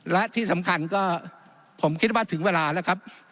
และที่สำคัญก็ผมคิดว่าถึงเวลาแล้วครับ